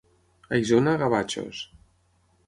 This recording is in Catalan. A Isona, gavatxos.